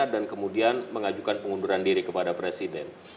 dan kemudian mengajukan pengunduran diri kepada presiden